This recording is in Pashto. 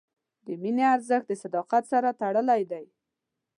د مینې ارزښت د صداقت سره تړلی دی.